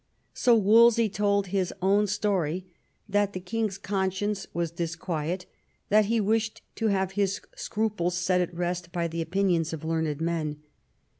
So Wolsey told his own story; that the king's conscience was dis quiet, and that he wished to have his scruples set at rest by the opinions of learned men.